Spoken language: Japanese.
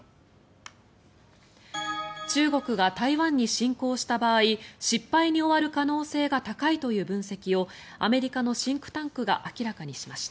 中国が台湾に侵攻した場合失敗に終わる可能性が高いという分析をアメリカのシンクタンクが明らかにしました。